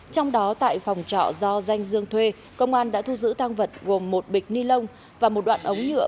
trong đó tại phòng trọ do danh dương thuê công an đã thu giữ tăng vật gồm một bịch ni lông và một đoạn ống nhựa